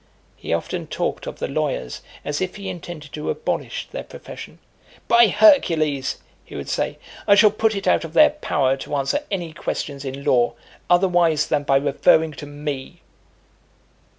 He often talked of the lawyers as if he intended to abolish their profession. "By Hercules!" he would say, "I shall put it out of their power to answer any questions in law, otherwise than by referring to me!"